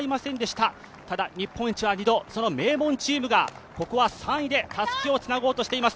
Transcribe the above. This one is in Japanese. ただ日本一は２度、その名門チームはここは３位でたすきをつなごうとしています。